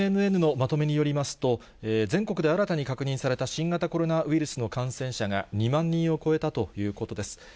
ＮＮＮのまとめによりますと、全国で新たに確認された新型コロナウイルスの感染者が２万人を超えたということです。